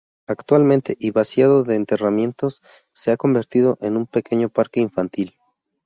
Actualmente y vaciado de enterramientos se ha convertido en un pequeño parque infantil.